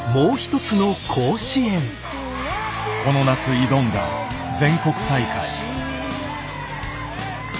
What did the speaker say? この夏挑んだ全国大会。